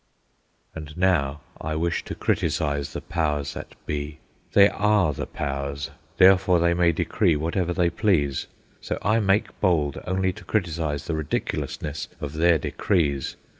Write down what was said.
And now I wish to criticise the powers that be. They are the powers, therefore they may decree whatever they please; so I make bold only to criticise the ridiculousness of their decrees.